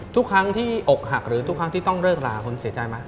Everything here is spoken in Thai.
ทุกครั้งที่อกหักหรือทุกครั้งที่ต้องเลิกลาคุณเสียใจไหม